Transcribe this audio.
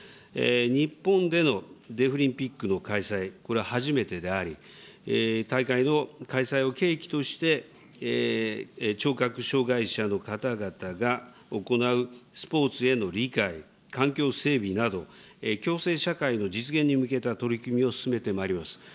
日本でのデフリンピックの開催、これは初めてであり、大会の開催を契機として、聴覚障害者の方々が行うスポーツへの理解、環境整備など、共生社会の実現に向けた取り組みを進めてまいります。